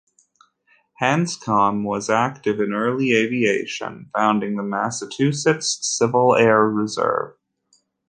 Hanscom was active in early aviation, founding the Massachusetts Civil Air Reserve.